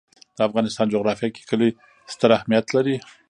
د افغانستان جغرافیه کې کلي ستر اهمیت لري.